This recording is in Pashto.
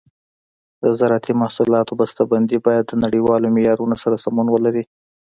د زراعتي محصولاتو بسته بندي باید د نړیوالو معیارونو سره سمون ولري.